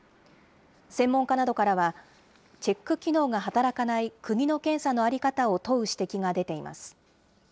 専門家などからは、チェック機能が働かない国の検査の在り方を問う指摘が出ています。